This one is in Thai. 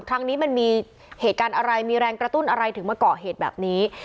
ครั้งนี้มันมีเหตุการณ์อะไรมีแรงกระตุ้นอะไรถึงมาเกาะเหตุแบบนี้